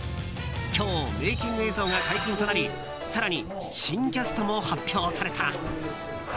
今日メイキング映像が解禁となり更に新キャストも発表された。